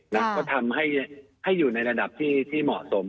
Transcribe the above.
แล้วก็ทำให้อยู่ในระดับที่เหมาะสม